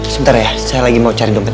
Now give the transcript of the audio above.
sebentar ya saya lagi mau cari dompet